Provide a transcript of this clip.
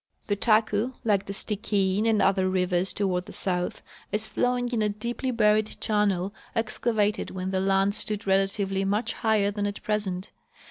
The Taku, like the Stikine and otlier rivers toward the south, is flowing in a deeply buried channel excavated when the land stood relatively much higher than at present.